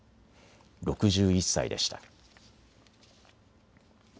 ６１歳でした。